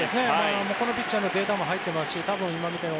このピッチャーのデータも入っているでしょうし